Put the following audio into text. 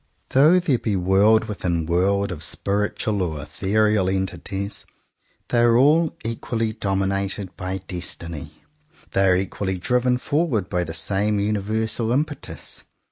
Though there be world within world of spiritual or ethereal entities, they are all equally dominated by destiny; they are equally driven forward by the same univer sal impetus.